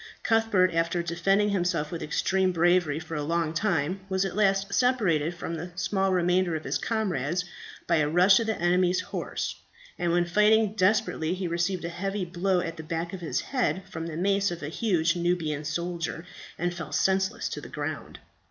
Cuthbert, after defending himself with extreme bravery for a long time, was at last separated from the small remainder of his comrades by a rush of the enemy's horse, and when fighting desperately he received a heavy blow at the back of the head from the mace of a huge Nubian soldier, and fell senseless to the ground.